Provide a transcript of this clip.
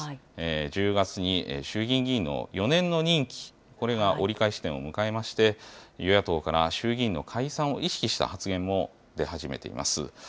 １０月に衆議院議員の４年の任期、これが折り返し点を迎えまして、与野党から衆議院の解散を意識した発言も出始めています。